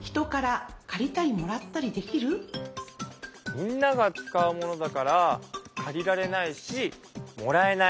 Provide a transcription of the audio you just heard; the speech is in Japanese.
みんなが使うものだから借りられないしもらえない。